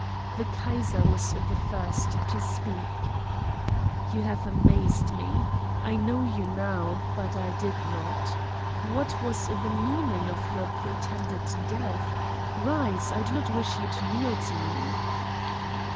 The Kaiser was the first to speak. "You have amazed me. I know you now, but I did not. What was the meaning of your pretended death? Rise, I do not wish you to kneel to me."